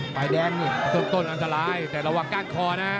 ฝ่ายแดงนี่ต้นอันตรายแต่ระวังก้านคอนะ